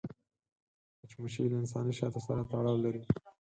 مچمچۍ له انساني شاتو سره تړاو لري